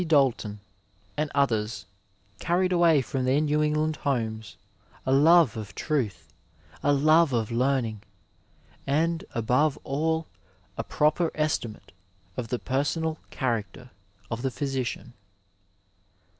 Dalton, and others carried away from their New England homes a love of truth, a love of learning and above all a proper estimate of the personal character of the physician.